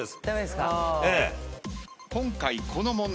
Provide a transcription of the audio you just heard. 今回。